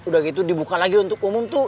udah gitu dibuka lagi untuk umum tuh